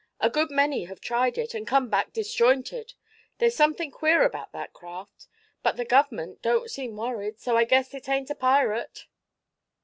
"A good many have tried it, an' come back disjointed. There's something queer about that craft; but the gov'ment don't seem worried, so I guess it ain't a pirate."